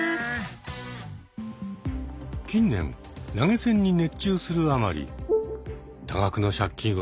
近年投げ銭に熱中するあまり多額の借金をする。